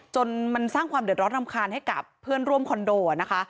จนมันสร้างความเดือดร้อนรำคาญให้กับเพื่อนร่วมคอนโดนะคะ